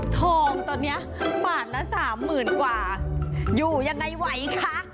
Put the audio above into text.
ทองตอนนี้บาทละสามหมื่นกว่าอยู่ยังไงไหวคะ